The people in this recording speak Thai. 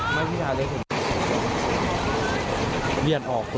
เลี่ยนออกเลยหัวแตกเลย